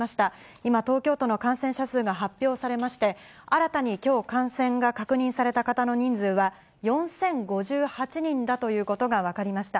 今、東京都の感染者数が発表されまして、新たにきょう感染が確認された方の人数は、４０５８人だということが分かりました。